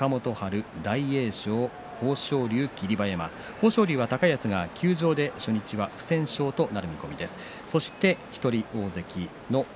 豊昇龍は高安が休場ですので不戦勝となる見込みです。